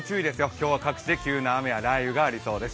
今日は各地で急な雨や雷雨があるようです。